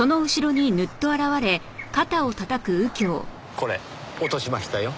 これ落としましたよ。